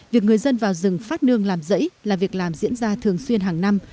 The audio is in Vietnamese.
việc người dân vào rừng phát nương làm rẫy là việc làm diễn ra thường xuyên hàng năm